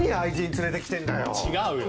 違うよ。